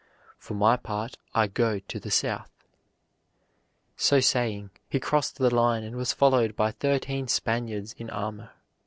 For my part, I go to the south." So saying, he crossed the line and was followed by thirteen Spaniards in armor.